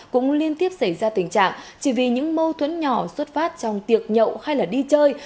cũng liên tiếp xảy ra tình trạng chỉ vì những mâu thuẫn nhỏ xuất phát trong tiệc nhậu hay là đi chơi